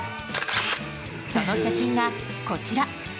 その写真が、こちら。